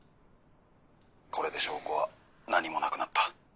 これで証拠は何もなくなった。